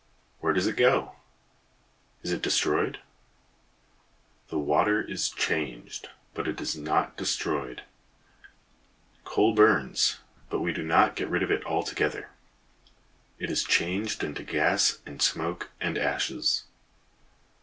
Where does it go? Is it destroyed? The water is changed, but it is not destroyed. Coal burns, but we do not get rid of it altogether. It is changed into gas and smoke and ashes.